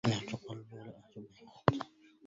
يهجو قبيلي ولا أهجو به أحدا